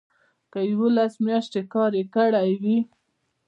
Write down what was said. که یوولس میاشتې کار یې کړی وي.